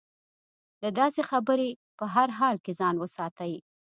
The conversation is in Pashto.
له داسې خبرې په هر حال کې ځان وساتي.